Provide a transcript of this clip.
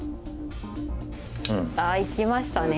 あいきましたね飛車。